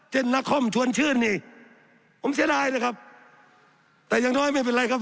นครชวนชื่นนี่ผมเสียดายเลยครับแต่อย่างน้อยไม่เป็นไรครับ